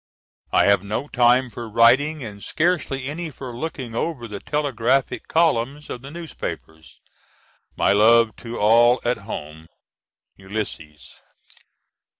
I have no time for writing and scarcely any for looking over the telegraphic columns of the newspapers. My love to all at home. ULYS.